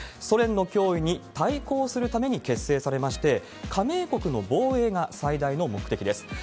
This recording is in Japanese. ソ連の脅威に対抗するために結成されまして、加盟国の防衛が最大の目的です。